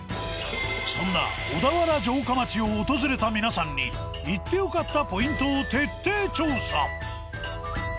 そんな小田原城下町を訪れた皆さんに行って良かったポイントを徹底調査。